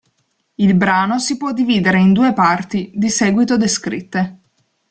Il brano si può dividere in due parti, di seguito descritte.